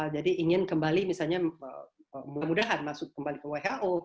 jadi ingin kembali misalnya mudah mudahan masuk kembali ke who